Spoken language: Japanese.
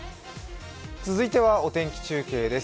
続いては天気中継です。